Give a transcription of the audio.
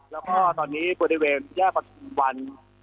และก็ตอนนี้บริเวณย่าบัคทรีย์วัน